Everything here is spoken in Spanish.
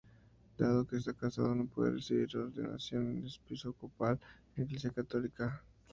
Dado que está casado, no puede recibir ordenación episcopal en la Iglesia católica.